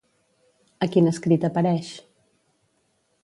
A quin escrit apareix?